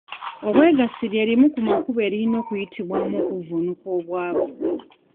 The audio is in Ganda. Obwegassi lye limu ku makubo eriyina okuyitibwamu okuvvuunuka obwavu.